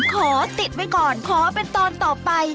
ขอติดไว้ก่อนขอเป็นตอนต่อไป